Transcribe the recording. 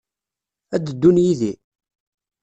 Ad d-ddun yid-i?